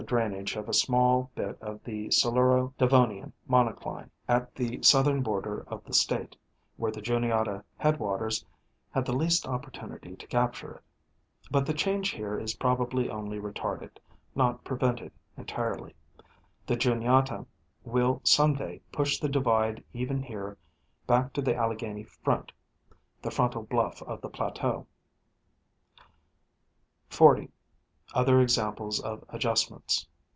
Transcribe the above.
drainage of a small bit of the Siluro Devonian monocline, at the southern border of the State, where the Juniata headwaters had the least opportunity to capture it ; but the change here is probably only retarded, not prevented entirely ; the Juniata will some day push the divide even here back to the Alleghany Front, the frontal bluff of the plateau. The Rivers and Valleys of Pennsylvania. 249 40. Other examples of adjustments.